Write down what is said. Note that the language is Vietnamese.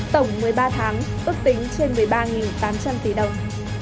tổng một mươi ba tháng ước tính trên một mươi ba tám trăm linh tỷ đồng